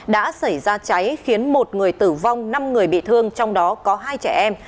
đã xảy ra cháy khiến một người tử vong năm người bị thương trong đó có hai trẻ em